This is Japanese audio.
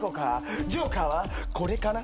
ジョーカーはこれかな？